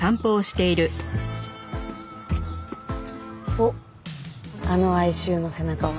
おっあの哀愁の背中は。